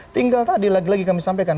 tinggal tadi lagi lagi kami sampaikan